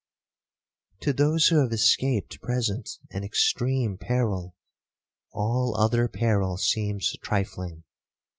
'To those who have escaped present and extreme peril, all other peril seems trifling.